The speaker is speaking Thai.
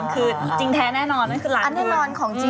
คือจริงแท้แน่นอนนั่นคือหลานคือ